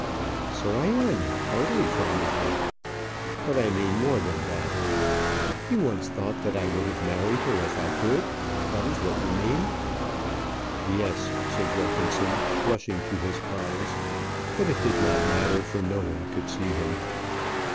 "So I am, heartily fond of her." "But I mean more than that." "You once thought that I would have married her if I could. That is what you mean." "Yes," said Wilkinson, blushing to his eyes. But it did not matter; for no one could see him.